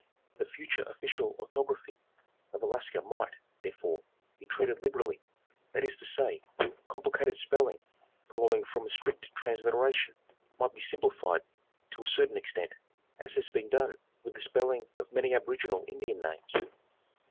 The future official orthography of Alaska might, therefore, be treated liberally, that is to say, complicated spelling following from a strict transliteration might be simplified to a certain ex tent, as has been done with the spelling of many aboriginal Indian names.